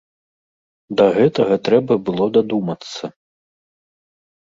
Да гэтага трэба было дадумацца.